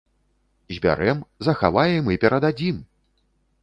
Збярэм, захаваем і перададзім!